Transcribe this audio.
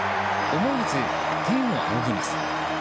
思わず天を仰ぎます。